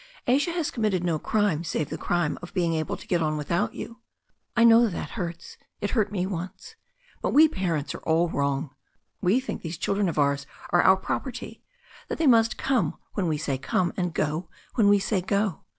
Asia has committed no crime save the crime of being able to get on without you. I know that hurts — it hurt me once. But we parents are all wrong. We think these children of ours are our property, that they must come when we say come, and go when we say go.